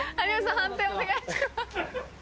判定お願いします。